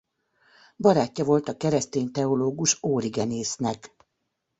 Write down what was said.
Barátja volt a keresztény teológus Órigenésznek.